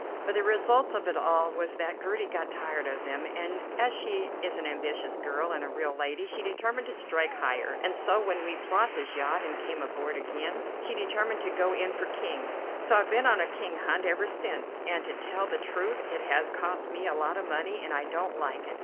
But the result of it all was that Gertie got tired of them, and, as she is an ambitious girl and a real lady, she determined to strike higher, and so, when we bought this yacht and came abroad again, she determined to go in for Kings, so I've been on a King hunt ever since, and to tell the truth it has cost me a lot of money and I don't like it.